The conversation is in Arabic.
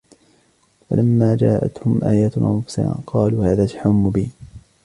فَلَمَّا جَاءَتْهُمْ آيَاتُنَا مُبْصِرَةً قَالُوا هَذَا سِحْرٌ مُبِينٌ